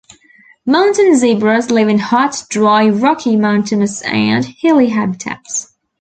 Mountain zebras live in hot, dry, rocky, mountainous and hilly habitats.